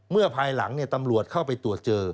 ภายหลังตำรวจเข้าไปตรวจเจอ